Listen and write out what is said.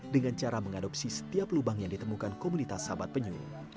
dengan cara mengadopsi setiap lubang yang ditemukan komunitas sahabat penyu